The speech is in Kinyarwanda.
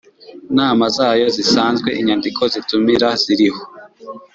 nama zayo zisanzwe Inyandiko zitumira ziriho